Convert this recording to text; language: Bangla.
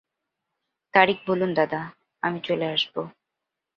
তারিখ বলুন দাদা, আমি চলে আসবো!